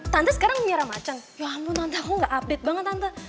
tante sekarang menyerah maceng ya ampun tante aku gak update banget tante